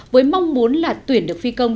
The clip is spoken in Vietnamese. với mong muốn là tuyển được phi công